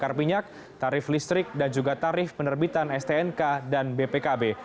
bakar minyak tarif listrik dan juga tarif penerbitan stnk dan bpkb